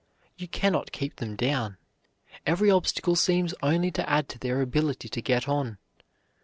You can not keep them down. Every obstacle seems only to add to their ability to get on.